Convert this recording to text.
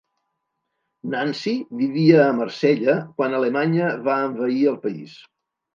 Nancy vivia a Marsella quan Alemanya va envair el país.